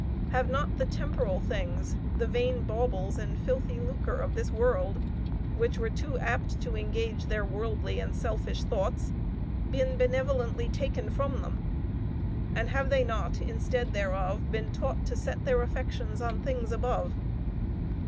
Have not the temporal things, the vain baubles and filthy lucre of this world, which were too apt to engage their worldly and selfish thoughts, been benevolently taken from them; and have they not, instead thereof, been taught to set their affections on things above?